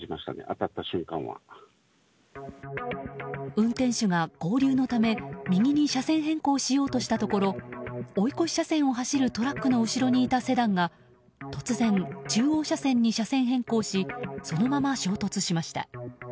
運転手が合流のため右に車線変更しようとしたところ追い越し車線を走るトラックの後ろにいたセダンが突然、中央車線に車線変更しそのまま衝突しました。